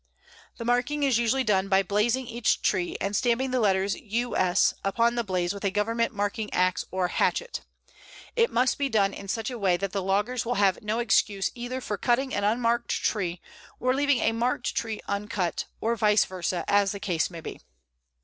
The marking is usually done by blazing each tree and stamping the letters "U. S." upon the blaze with a Government marking axe or hatchet. It must be done in such a way that the loggers will have no excuse either for cutting an unmarked tree or leaving a marked tree uncut, or vice versa, as the case may be.